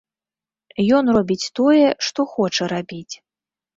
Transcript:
Ён робіць тое, што хоча рабіць.